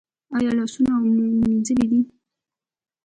ایا لاسونه مو مینځلي وو؟